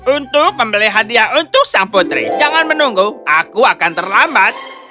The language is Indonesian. untuk membeli hadiah untuk sang putri jangan menunggu aku akan terlambat